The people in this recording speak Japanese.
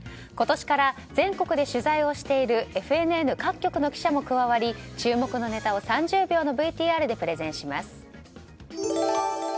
今年から、全国で取材をしているＦＮＮ各局の記者も加わり注目のネタを３０秒のＶＴＲでプレゼンします。